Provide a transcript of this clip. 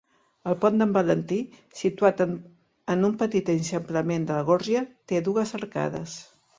El Pont d'en Valentí, situat en un petit eixamplament de la gorja, té dues arcades.